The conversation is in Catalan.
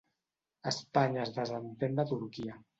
Espanya es desentén de Turquia